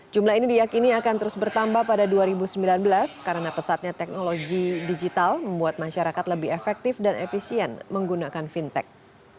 jumlah ini diyakini akan terus bertambah pada dua ribu sembilan belas karena pesatnya teknologi digital membuat masyarakat lebih efektif dan efisien menggunakan fintech